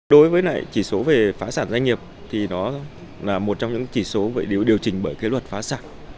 đối với lại chỉ số về phá sản doanh nghiệp thì nó là một trong những chỉ số được điều chỉnh bởi luật phá sản